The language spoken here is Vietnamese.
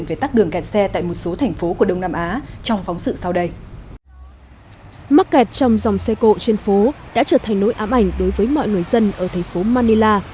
mắc kẹt trong dòng xe cộ trên phố đã trở thành nỗi ám ảnh đối với mọi người dân ở thành phố manila